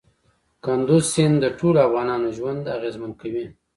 کندز سیند د ټولو افغانانو ژوند اغېزمن کوي.